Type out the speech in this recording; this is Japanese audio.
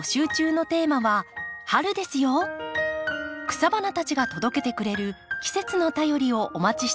草花たちが届けてくれる季節の便りをお待ちしています。